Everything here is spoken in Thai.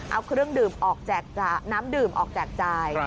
เอาเครื่องดื่มออกน้ำดื่มออกแจกจ่าย